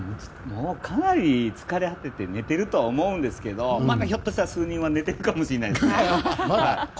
かなり疲れ果てて寝ているとは思うんですけどひょっとしたらまだ数人は寝てるかもしれないですね。